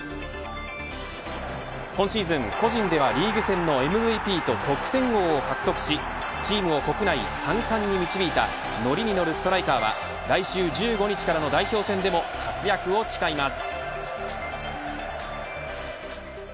今シーズン、個人ではリーグ戦のＭＶＰと得点王を獲得しチームを国内３冠に導いた乗りに乗るストライカーは来週１５日からの代表戦でも活躍を誓います。